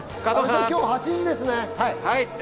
今日８時ですよね。